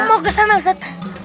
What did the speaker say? mau kesana ustadz